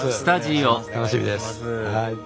楽しみですはい。